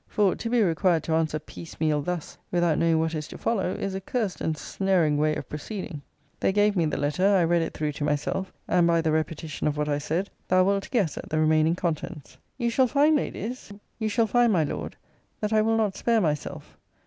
For, to be required to answer piecemeal thus, without knowing what is to follow, is a cursed ensnaring way of proceeding. They gave me the letter: I read it through to myself: and by the repetition of what I said, thou wilt guess at the remaining contents. You shall find, Ladies, you shall find, my Lord, that I will not spare myself.